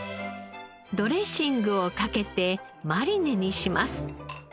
ドレッシングをかけてマリネにします。